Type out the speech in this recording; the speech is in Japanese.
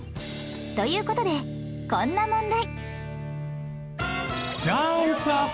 という事でこんな問題